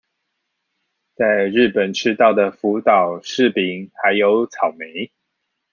在日本吃到的福島柿餅還有草莓